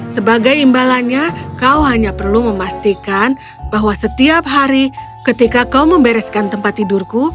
sebagai imbalannya kau hanya perlu memastikan bahwa setiap hari ketika kau membereskan tempat tidurku